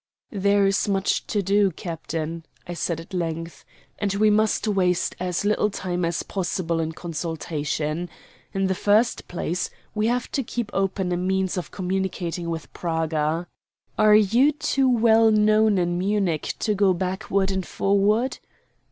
"There is much to do, captain," I said at length, "and we must waste as little time as possible in consultation. In the first place, we have to keep open a means of communicating with Praga. Are you too well known in Munich to go backward and forward?"